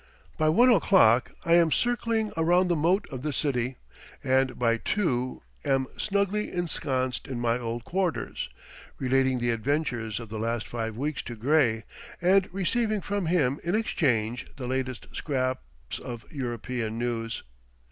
By one o'clock I am circling around the moat of the city, and by two am snugly ensconced in my old quarters, relating the adventures of the last five weeks to Gray, and receiving from him in exchange the latest scraps of European news.